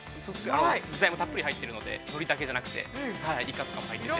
◆具材もたっぷり入っているので、のりだけじゃなくて、イカとかも入ってて。